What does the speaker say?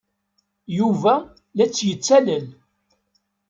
Yuba la tt-yettalel.